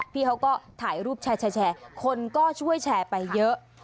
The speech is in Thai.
พี่เขาก็ถ่ายรูปแชร์คนก็ช่วยแชร์ไปเยอะ